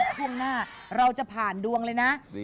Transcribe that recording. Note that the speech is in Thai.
ช่วงหน้าเราจะผ่านดวงเลยนะ